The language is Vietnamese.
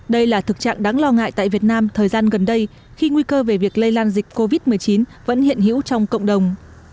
đây là thực trạng đáng lo ngại tại việt nam thời gian gần đây khi nguy cơ về việc lây lan dịch covid một mươi chín vẫn hiện hữu trong cộng đồng